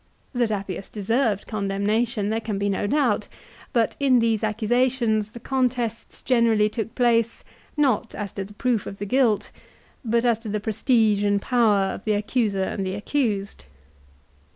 That Appius deserved condemnation there can be no doubt ; but in these accusations the contests generally took place not as to the proof of the guilt, but as to the prestige and power of the accuser and the accused.